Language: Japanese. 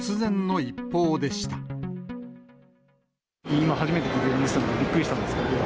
今初めて聞いたんで、びっくりしたんですけど。